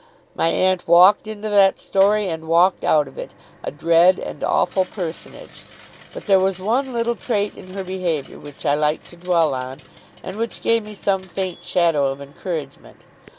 My aunt walked into that story, and walked out of it, a dread and awful personage; but there was one little trait in her behaviour which I liked to dwell on, and which gave me some faint shadow of encouragement.